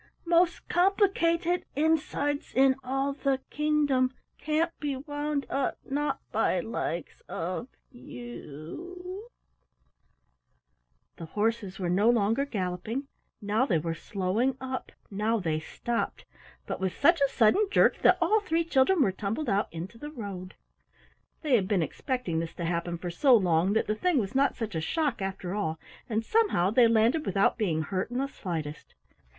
Most com pli cated insides in all the king dom. Can't be wound up not by likes of you " The horses were no longer galloping, now they were slowing up, now they stopped, but with such a sudden jerk that all three children were tumbled out into the road. They had been expecting this to happen for so long that the thing was not such a shock after all, and somehow they landed without being hurt in the slightest.